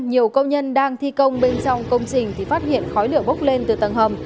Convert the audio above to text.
nhiều công nhân đang thi công bên trong công trình thì phát hiện khói lửa bốc lên từ tầng hầm